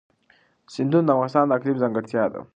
سیندونه د افغانستان د اقلیم ځانګړتیا ده.